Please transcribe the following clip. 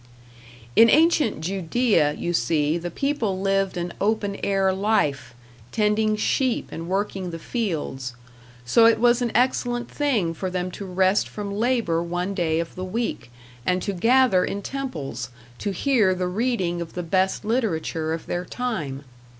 In ancient Judea, you see, the people lived an open air life, tending sheep and working the fields; so it was an excellent thing for them to rest from labor one day of the week, and to gather in temples to hear the reading of the best literature of their time.